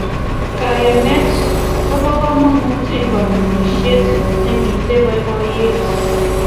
Kayanet kobo komonut eng katunisyet nemitei boiboiyet.